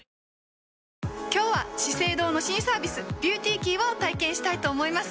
今日は「資生堂」の新サービス「ＢｅａｕｔｙＫｅｙ」を体験したいと思います。